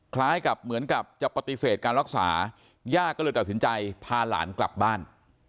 คล้ายกับเหมือนกับจะปฏิเสธการรักษาย่าก็เลยตัดสินใจพาหลานกลับบ้าน